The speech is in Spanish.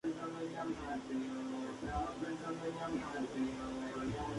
Girando un tornillo las tablas se iban acercando, apretando la carne y causando agonía.